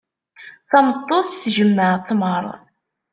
Tameṭṭut tjemmeɛ tmeṛ.